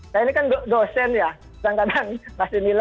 saya ini kan dosen ya kadang kadang masih nilai gitu ya